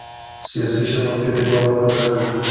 سیاسي شفافیت د باور فضا جوړوي